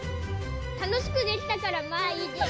楽しくできたからまあいいです。